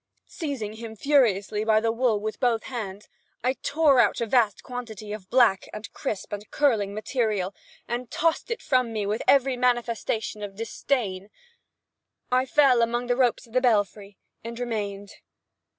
Seizing him furiously by the wool with both hands, I tore out a vast quantity of black, and crisp, and curling material, and tossed it from me with every manifestation of disdain. It fell among the ropes of the belfry and remained.